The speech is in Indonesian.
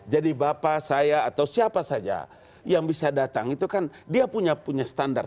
jadi bapak saya atau siapa saja yang bisa datang itu kan dia punya standar